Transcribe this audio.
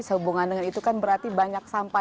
sehubungan dengan itu kan berarti banyak sampah